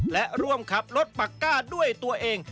และร่วมขับรถปักก้าด้วยตัวเอง